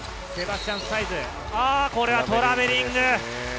これはトラベリング。